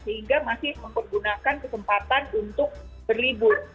sehingga masih mempergunakan kesempatan untuk berlibur